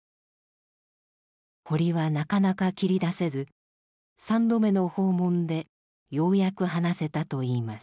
堀はなかなか切り出せず３度目の訪問でようやく話せたといいます。